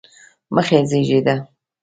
مخ یې زېړېده.